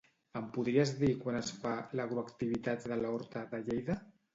Em podries dir quan es fa l'"Agro-Activitats de l'Horta" de Lleida?